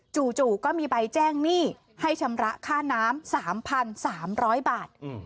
จู่จู่ก็มีใบแจ้งหนี้ให้ชำระค่าน้ำสามพันสามร้อยบาท